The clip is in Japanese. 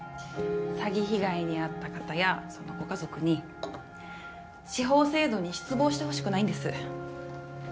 詐欺被害に遭った方やそのご家族に司法制度に失望してほしくないんです